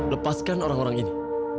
lepaskan orang orang ini